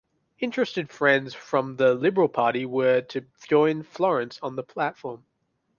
Interested friends from the Liberal Party were to join Florence on the platform.